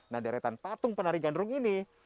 nah deretan patung penari gandrung ini